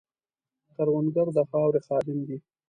کروندګر د خاورې خادم دی